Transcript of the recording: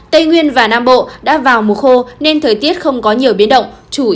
tây nguyên và nam bộ đã vào mùa khô nên thời tiết không có nhiều biến động chủ yếu ít mưa